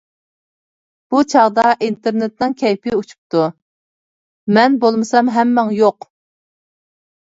بۇ چاغدا ئىنتېرنېتنىڭ كەيپى ئۇچۇپتۇ: مەن بولمىسام ھەممىڭ يوق!